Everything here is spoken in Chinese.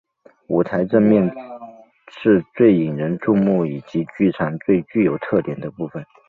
舞台正面是最引人注目以及剧场最具有特点的部分。